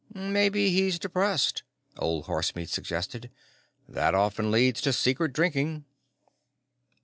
"Maybe he's depressed," Old Horsemeat suggested. "That often leads to secret drinking."